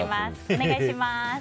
お願いします。